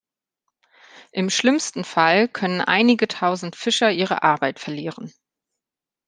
Im schlimmsten Fall können einige Tausend Fischer ihre Arbeit verlieren.